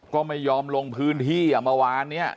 ก็ไม่ยอมลงพื้นที่อ่ะเมื่อวานเนี่ย